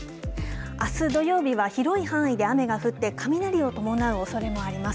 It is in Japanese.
あす土曜日は広い範囲で雨が降って雷を伴うおそれもあります。